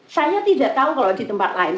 saya tidak tahu kalau di tempat lain